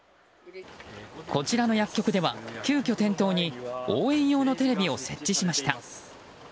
こちらの薬局では急きょ、店頭に応援用のテレビを設置しました。